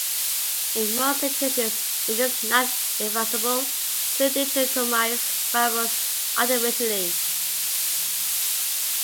In most situations it is not advisable to dichotomize variables artificially.